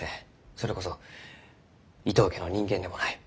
それこそ伊藤家の人間でもない。